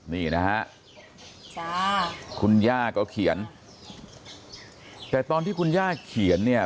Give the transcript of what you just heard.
นี่นะฮะจ้าคุณย่าก็เขียนแต่ตอนที่คุณย่าเขียนเนี่ย